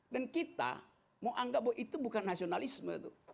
dan kita mau anggap bahwa itu bukan nasionalisme